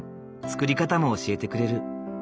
作り方も教えてくれる。